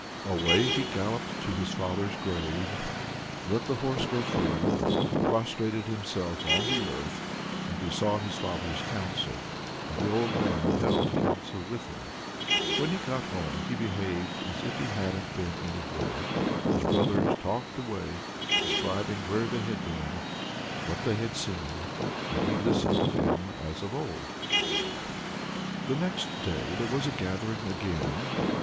Away he galloped to his father's grave, let the horse go free, prostrated himself on the earth, and besought his father's counsel. And the old man held counsel with him. When he got home he behaved as if he hadn't been anywhere. His brothers talked away, describing where they had been, what they had seen, and he listened to them as of old. The next day there was a gathering again.